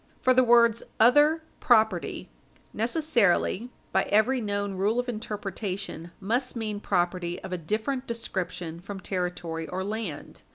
For the words other property necessarily, by every known rule of interpretation, must mean Page 60 U. S. 440 property of a different description from territory or land.